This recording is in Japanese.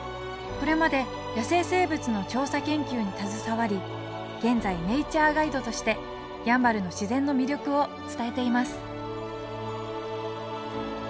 これまで野生生物の調査研究に携わり現在ネイチャーガイドとしてやんばるの自然の魅力を伝えています